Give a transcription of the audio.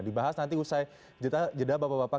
dibahas nanti usai jeda bapak bapak